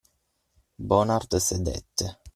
Bonard sedette.